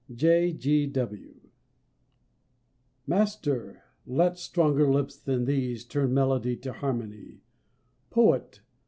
G. W. Master! let stronger lips than these Turn melody to harmony, Poet!